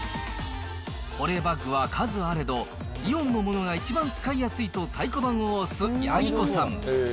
保冷バッグは数あれど、イオンのものが一番使いやすいと太鼓判を押すヤギコさん。